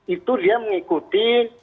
itu dia mengikuti